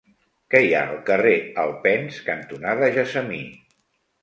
Què hi ha al carrer Alpens cantonada Gessamí?